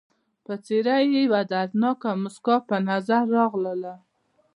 پر څېره یې یوه دردناکه مسکا په نظر راغله.